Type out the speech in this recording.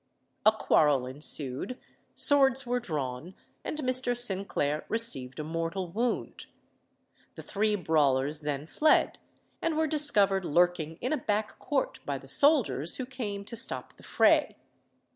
A quarrel ensued, swords were drawn, and Mr. Sinclair received a mortal wound. The three brawlers then fled, and were discovered lurking in a back court by the soldiers who came to stop the fray.